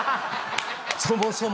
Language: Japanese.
そもそも。